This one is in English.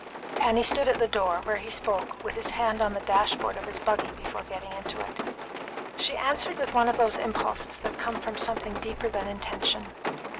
Annie stood at the door, where he spoke with his hand on the dash board of his buggy before getting into it. She answered with one of those impulses that come from something deeper than intention.